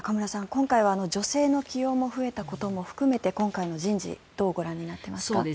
今回は女性の起用も増えたことも含めて今回の人事をどうご覧になっていますか。